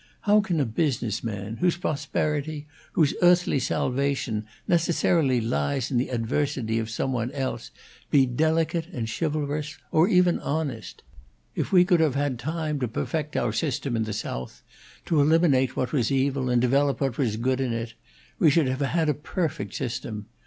How can a business man, whose prosperity, whose earthly salvation, necessarily lies in the adversity of some one else, be delicate and chivalrous, or even honest? If we could have had time to perfect our system at the South, to eliminate what was evil and develop what was good in it, we should have had a perfect system.